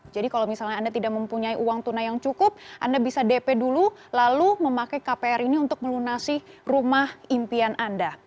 jadi kalau misalnya anda tidak mempunyai uang tunai yang cukup anda bisa dp dulu lalu memakai kpr ini untuk melunasi rumah impian anda